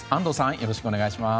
よろしくお願いします。